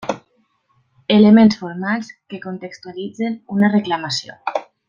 Elements formals que contextualitzen una reclamació.